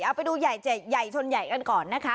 เอาไปดูใหญ่ชนใหญ่กันก่อนนะคะ